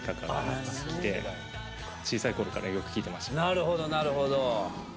なるほどなるほど。